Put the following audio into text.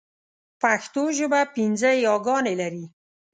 پښتو ژبه پنځه ی ګانې لري.